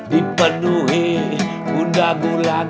dipenuhi bunda gulana